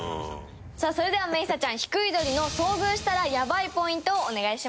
さあそれでは明咲ちゃんヒクイドリの遭遇したらヤバいポイントをお願いします。